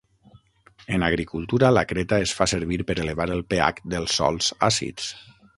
En agricultura la creta es fa servir per elevar el pH dels sòls àcids.